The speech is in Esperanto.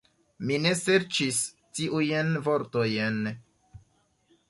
Mi ne serĉis tiujn vortojn.